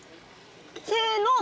せの！